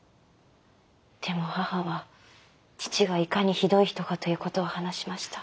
でも母は父がいかにひどい人かという事を話しました。